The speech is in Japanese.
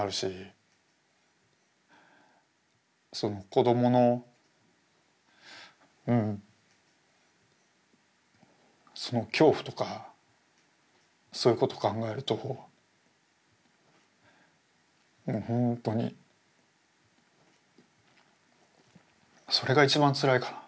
子どものその恐怖とかそういうこと考えるともうほんとにそれが一番つらいかな。